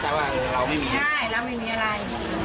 ใช่เราไม่มีอะไร